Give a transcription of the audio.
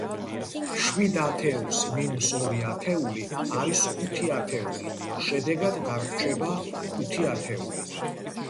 შვიდ ათეულს მინუს ორი ათეული არის ხუთი ათეული, შედეგად დაგვრჩება ხუთი ათეული.